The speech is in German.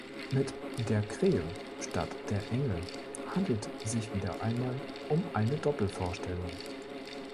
Mit "Der Krähe: Stadt der Engel" handelt sich wieder einmal um eine Doppelvorstellung.